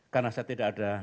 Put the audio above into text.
karena saya tidak ada